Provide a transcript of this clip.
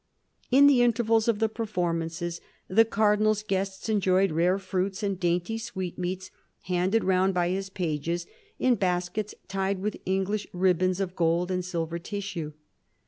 In the intervals of the performances the Cardinal's guests enjoyed rare fruits and dainty sweetmeats, handed round by his pages in baskets tied with English ribbons of gold and silver tissue.